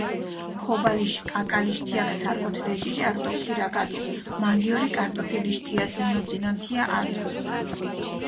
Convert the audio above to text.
ქობალიშ კაკალიშ თიაქ სარკოთ დეჭიჭარჷ დო ქირაგადუ, მანგიორი კარტოფილიშ თიას მუნუძინანთია არძოს.